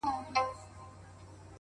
هغه به چاسره خبري کوي ـ